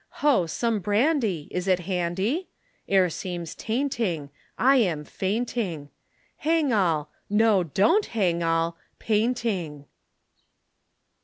Ho, some brandy is it handy? Air seems tainting, I am fainting. Hang all no, don't hang all painting!